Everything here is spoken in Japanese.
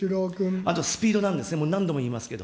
あとスピードなんですね、何度も言いますけど。